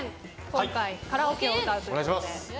今回カラオケを歌うということで。